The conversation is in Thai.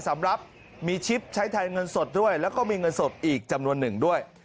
สำหรับมีชิปใช้ไทยเงินสดด้วยแล้วก็มีเงินสดอีกจำนวนหนึ่งด้วย